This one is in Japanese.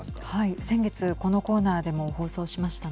先月このコーナーでも放送しましたね。